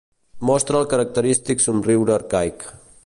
Mostra el característic somriure arcaic.